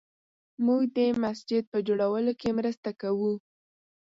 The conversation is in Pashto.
موږ د مسجد په جوړولو کې مرسته کوو